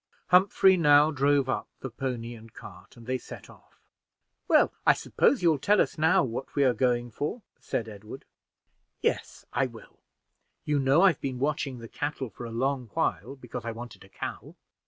Humphrey now drove up the pony and cart, and they set off. "Well, I suppose you'll tell us now what we are going for?" said Edward. "Yes, I will. You know I've been watching the cattle for a long while, because I wanted a cow.